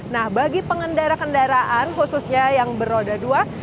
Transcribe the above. nah bagi pengendara kendaraan khususnya yang beroda dua